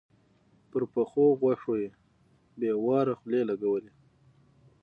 پر پخو غوښو يې بې واره خولې لګولې.